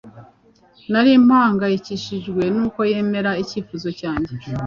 Nari mpangayikishijwe nuko yemera icyifuzo cyanjye